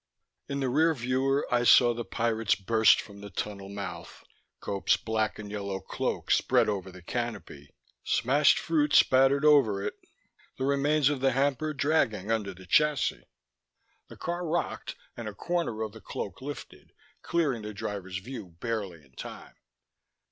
In the rear viewer I saw the pirates burst from the tunnel mouth, Gope's black and yellow cloak spread over the canopy, smashed fruit spattered over it, the remains of the hamper dragging under the chassis. The car rocked and a corner of the cloak lifted, clearing the driver's view barely in time.